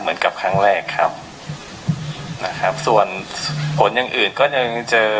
เหมือนกับครั้งแรกครับนะครับส่วนผลอย่างอื่นก็ยังเจอ